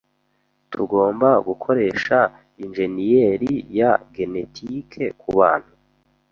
Tugomba gukoresha injeniyeri ya genetike kubantu?